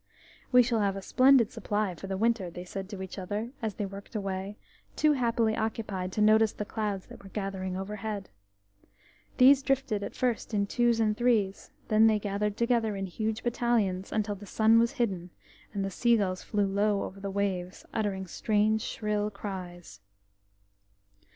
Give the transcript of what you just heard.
"We shall have a splendid supply for the winter," they said to each other, as they worked away, too happily occupied to notice the clouds that were gathering overhead. These drifted at first in twos and threes; then they gathered together in huge battalions, until the sun was hidden, and the seagulls flew low over the waves, uttering strange shrill cries.